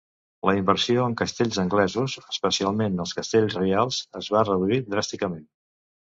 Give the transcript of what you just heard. La inversió en castells anglesos, especialment els castells reials, es va reduir dràsticament.